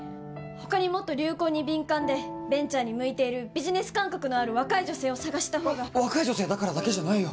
他にもっと流行に敏感でベンチャーに向いているビジネス感覚のある若い女性を探した方が若い女性だからだけじゃないよ